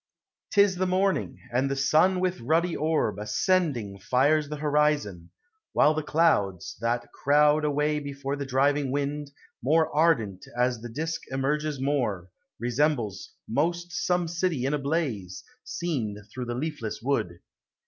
'T is the morning, and the sun with ruddy orb Ascending fires the horizon : while the clouds, That crowd away before the driving wind, More ardent as the disc emerges more, TEE SEASONS. 187 Resembles most some city in a blaze, Seen through the leafless wood.